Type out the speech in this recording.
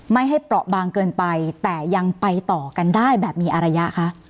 ไม่ให้เปราะบางเกินไปแต่ยังไปต่อกันได้แบบมีอารยะคะ